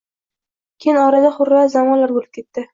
Keyin orada hurriyat zamonlar boʼlib ketdi.